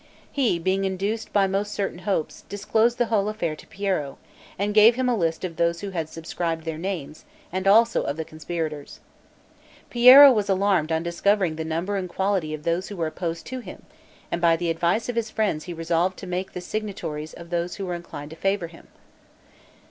He, being induced by most certain hopes, disclosed the whole affair to Piero, and gave him a list of those who had subscribed their names, and also of the conspirators. Piero was alarmed on discovering the number and quality of those who were opposed to him; and by the advice of his friends he resolved to take the signatures of those who were inclined to favor him.